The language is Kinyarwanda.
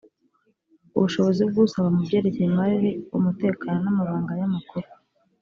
ubushobozi bw usaba mu byerekeye imari umutekano n amabanga y amakuru